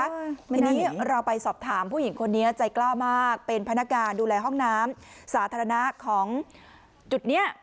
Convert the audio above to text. ทีนี้เราไปสอบถามผู้หญิงคนนี้ใจกล้ามากเป็นพนักการดูแลห้องน้ำสาธารณะของจุดเนี้ย